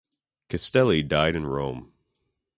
Castelli died in Rome.